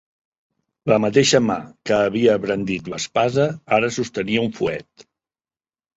La mateixa mà que havia brandit l'espasa ara sostenia un fuet.